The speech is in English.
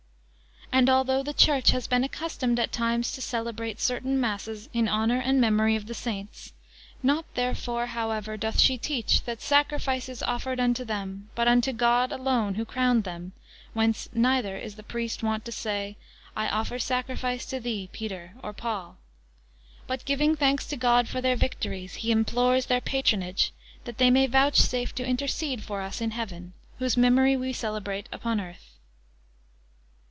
And although the Church has been accustomed at times to celebrate, certain masses in honour and memory of the saints; not therefore, however, doth she teach that sacrifice is offered unto them, but unto God alone, who crowned them; whence neither is the priest wont to say, "I offer sacrifice to thee, Peter, or Paul;" but, giving thanks to God for their victories, he implores their patronage, that they may vouchsafe to intercede for us in heaven, whose memory we celebrate upon earth.